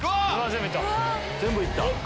全部行った！